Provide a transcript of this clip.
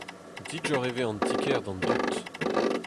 Digor e vez an ti-kêr d'an dud.